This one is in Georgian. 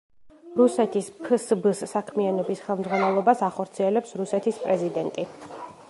რუსეთის ფსბ-ს საქმიანობის ხელმძღვანელობას ახორციელებს რუსეთის პრეზიდენტი.